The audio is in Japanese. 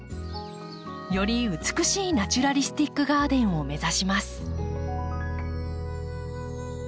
より美しいナチュラリスティック・ガーデンを目指します。